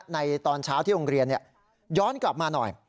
ในตอนเช้าที่โรงเรียนย้อนกลับมาหน่อย